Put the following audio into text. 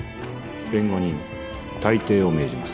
弁護人退廷を命じます